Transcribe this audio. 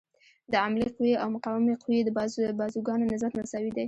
د عاملې قوې او مقاومې قوې د بازوګانو نسبت مساوي دی.